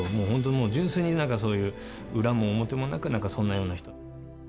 もう純粋になんかそういう裏も表もなくなんかそんなような人。